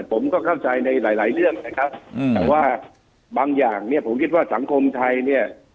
ผมก็เข้าใจในหลายหลายเรื่องนะครับแต่ว่าบางอย่างเนี่ยผมคิดว่าสังคมไทยเนี่ย